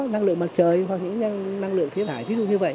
năng lượng mặt trời hoặc những năng lượng thiết hải